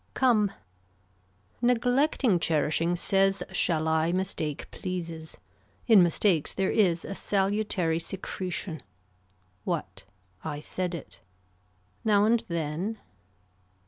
Come. Neglecting cherishing says shall I mistake pleases. In mistakes there is a salutary secretion. What. I said it. Now and then.